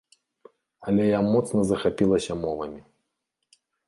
Але я моцна захапілася мовамі.